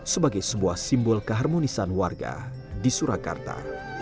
sebagai sebuah simbol keharmonisan warga di surakarta